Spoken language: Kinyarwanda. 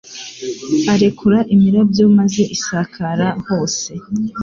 arekura imirabyo maze isakara hose